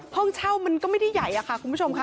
ห้องเช่ามันก็ไม่ได้ใหญ่อะค่ะคุณผู้ชมค่ะ